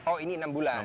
oh ini enam bulan